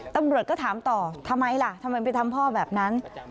ตำรวจก็ถามต่อทำไมล่ะทำไมไปทำพ่อแบบนั้น